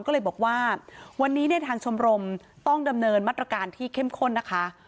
ก็เลยบอกว่าวันนี้เนี่ยทางชมรมต้องดำเนินมาตรการที่เข้มข้นนะคะ